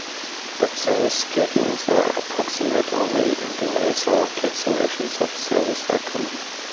But service schedules are approximate only and delays or cancellations of service are common.